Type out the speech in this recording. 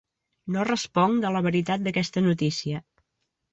No responc de la veritat d'aquesta notícia.